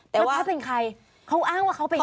แต่ว่าเขาอ้างว่าเขาเป็นใคร